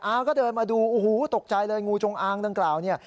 ก็เดินมาดูโอ้โหตกใจเลยงูจงอางดังกล่าวเนี่ย